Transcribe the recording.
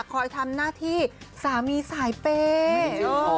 คอยทำหน้าที่สามีสายเป้